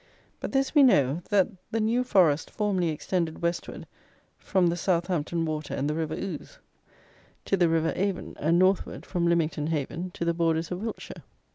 But this we know, that the New Forest formerly extended, westward, from the Southampton Water and the River Oux, to the River Avon, and northward, from Lymington Haven to the borders of Wiltshire.